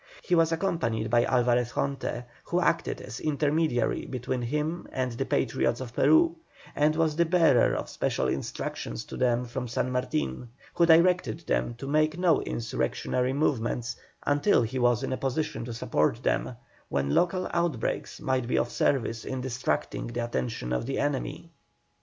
He was accompanied by Alvarez Jonte, who acted as intermediary between him and the Patriots of Peru, and was the bearer of special instructions to them from San Martin, who directed them to make no insurrectionary movement until he was in a position to support them, when local outbreaks might be of service in distracting the attention of the enemy.